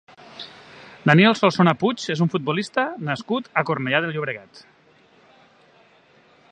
Daniel Solsona Puig és un futbolista nascut a Cornellà de Llobregat.